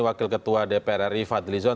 wakil ketua dpr ri fadli zon